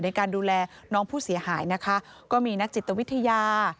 ในการดูแลน้องผู้เสียหายนะคะก็มีนักจิตวิทยา